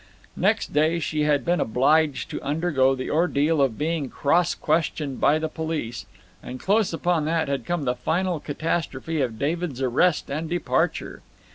Next day she had been obliged to undergo the ordeal of being cross questioned by the police, and close upon that had come the final catastrophe of David's arrest and departure.